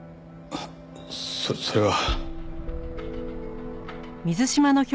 そそれは。